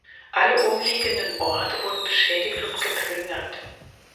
Alle umliegenden Orte wurden beschädigt und geplündert.